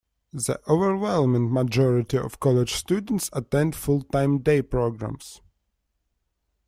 The overwhelming majority of college students attend full-time day programs.